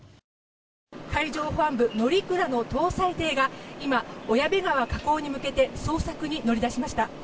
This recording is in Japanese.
海上保安部「のりくら」の搭載艇が今、小矢部川河口に向けて捜索に乗り出しました。